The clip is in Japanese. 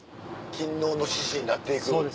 勤王の志士になっていく。